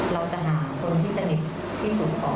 เราจะหาคนที่สนิทที่สุดก่อน